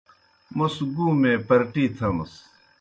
موْس گُومے پرٹِی تھمِس۔